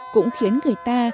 cũng khiến người ta